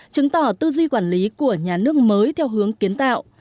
chứng tỏ tư duy quản lý của nhà nước mới theo hướng kiến tạo